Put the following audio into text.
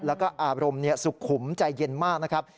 แล้วก็อารมณ์สุขุมใจเย็นมากนะครับ